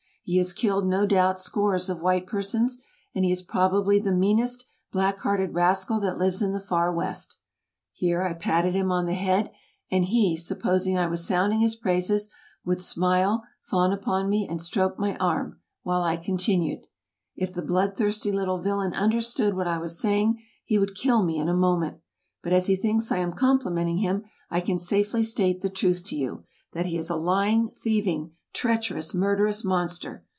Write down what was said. He has killed, no doubt, scores of white persons, and he is probably the meanest, black hearted rascal that lives in the far West." Here I patted him on the head, and he, supposing I was sounding his praises, would smile, fawn upon me, and stroke my arm, while I continued: "If the blood thirsty little villain understood what I was saying, he would kill me in a moment; but as he thinks I am complimenting him, I can safely state the truth to you, that he is a lying, thieving, treacherous, murderous monster.